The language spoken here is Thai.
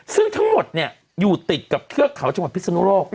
ซึ่งทั้งหมดอยู่ติดกับเทือกเขาจังหวัดพิศนุโลก